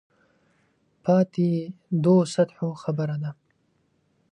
پاتې دوو سطحو خبره ده.